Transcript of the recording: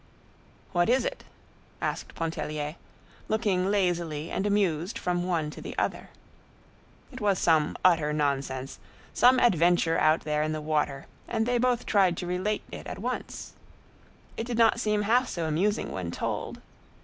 "What is it?" asked Pontellier, looking lazily and amused from one to the other. It was some utter nonsense; some adventure out there in the water, and they both tried to relate it at once. It did not seem half so amusing when told.